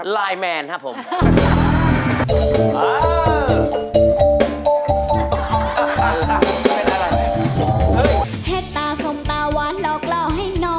ลายอะไรครับ